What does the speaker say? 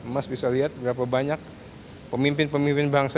mas bisa lihat berapa banyak pemimpin pemimpin bangsa